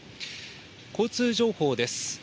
交通情報です。